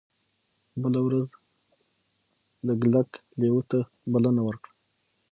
بله ورځ لګلګ لیوه ته بلنه ورکړه.